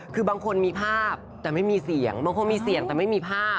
คือบางคนมีภาพแต่ไม่มีเสียงบางคนมีเสียงแต่ไม่มีภาพ